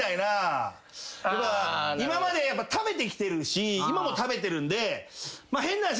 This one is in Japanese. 今まで食べてきてるし今も食べてるんで変な話。